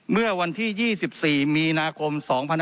เมื่อวันที่๒๔มีนาคม๒๕๖๒